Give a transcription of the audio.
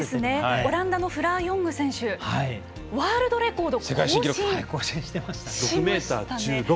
オランダのフラー・ヨング選手がワールドレコードを更新しました。